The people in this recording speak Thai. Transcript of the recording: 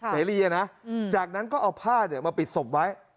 เสรีนะจากนั้นก็เอาผ้ามาปิดศพไว้